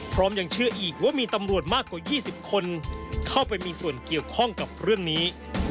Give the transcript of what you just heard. ยังเชื่ออีกว่ามีตำรวจมากกว่า๒๐คนเข้าไปมีส่วนเกี่ยวข้องกับเรื่องนี้